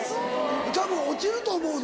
たぶん落ちると思うぞ。